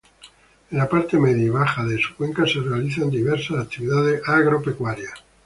En la parte media y baja de su cuenca se realizan diversas actividades agropecuarias.